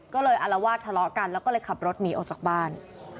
ก็เลยอารวาสทะเลาะกันแล้วก็เลยขับรถหนีออกจากบ้าน